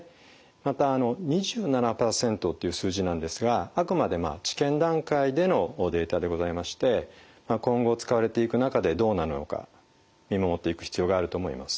また２７％という数字なんですがあくまで治験段階でのデータでございまして今後使われていく中でどうなるのか見守っていく必要があると思います。